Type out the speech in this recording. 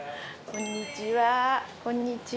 こんにちは。